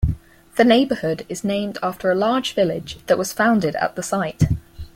The neighborhood is named after a large village that was founded at the site.